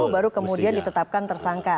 baru kemudian ditetapkan tersangka